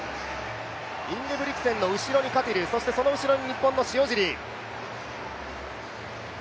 インゲブリクセン選手の後ろにカティル、そしてその後ろに日本の塩尻。